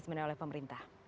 sebenarnya oleh pemerintah